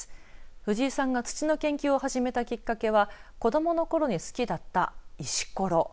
藤井さんが土の研究を始めたきっかけは子どもの頃に好きだった石ころ。